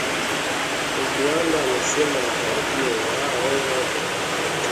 Ruhundwa amesema matarajio yao ni kitabu hicho cha miaka sitini ya kupokea na kuhifadhi